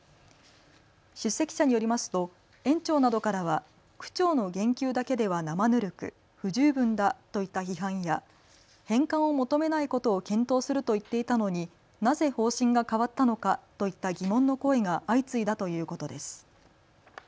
出席者によりますと園長などからは区長の減給だけではなまぬるく、不十分だといった批判や返還を求めないことを検討すると言っていたのに、なぜ方針が変わったのかといった疑問の声が相次いだということです。